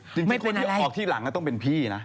จริงคนที่ออกที่หลังต้องเป็นพี่นะ